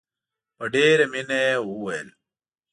په ډېره مینه یې وویل.